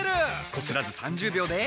こすらず３０秒で。